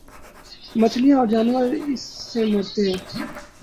مچھلیاں اور جانور اس سے مرتے ہیں۔